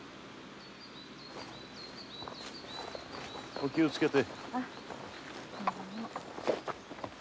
お気を付けて。